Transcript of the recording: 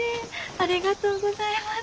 ありがとうございます。